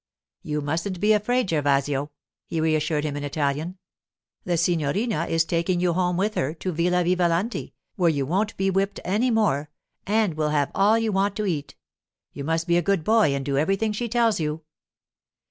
'You mustn't be afraid, Gervasio,' he reassured him in Italian. 'The signorina is taking you home with her to Villa Vivalanti, where you won't be whipped any more and will have all you want to eat. You must be a good boy and do everything she tells you.